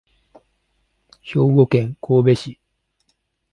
兵庫県神戸市